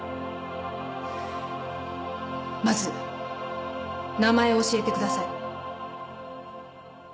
まず名前を教えてください。